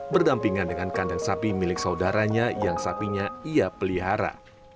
berdampingan dengan kandang sapi milik saudaranya yang sapinya ia pelihara